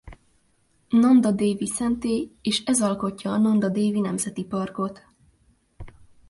Nanda Dévi Szentély és ez alkotja a Nanda Dévi Nemzeti Parkot.